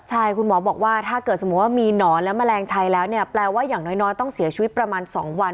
ใช่คุณหมอบอกว่าถ้าเกิดสมมุติว่ามีหนอนและแมลงชัยแล้วเนี่ยแปลว่าอย่างน้อยต้องเสียชีวิตประมาณ๒วัน